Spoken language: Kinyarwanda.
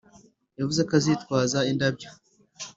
yavuze ko azitwaza indabyo.